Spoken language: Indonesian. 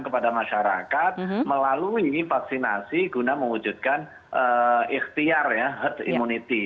kepada masyarakat melalui vaksinasi guna mewujudkan ikhtiar ya herd immunity